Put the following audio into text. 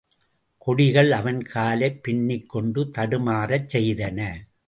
கொடிகள் அவன் காலைப் பின்னிக் கொண்டு தடுமாறச்செய்தன.